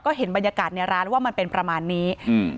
ก็เห็นบรรยากาศในร้านว่ามันเป็นประมาณนี้อืม